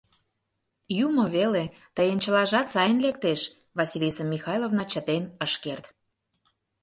— Юмо веле, тыйын чылажат сайын лектеш, — Василиса Михайловна чытен ыш керт.